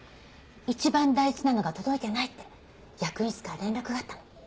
一番大事なのが届いてないって役員室から連絡があったの。